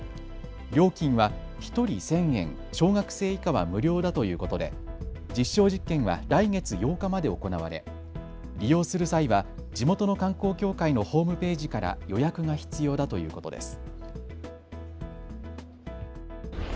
料金は１人１０００円、小学生以下は無料だということで実証実験は来月８日まで行われ利用する際は地元の観光協会のホームページから予約が必要だということです。